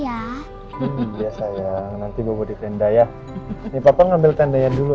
pak aku kecil di tenda ya iya sayang nanti gue di tenda ya ini papa ngambil tenda yang dulu